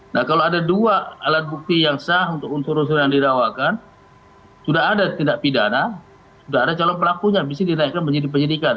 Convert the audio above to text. nah kalau ada dua alat bukti yang sah untuk unsur unsur yang didawakan sudah ada tindak pidana sudah ada calon pelakunya bisa dinaikkan menjadi penyidikan